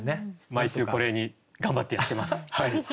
毎週これに頑張ってやってます。